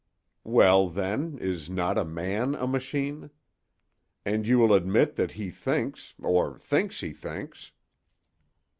Well, then, is not a man a machine? And you will admit that he thinks—or thinks he thinks."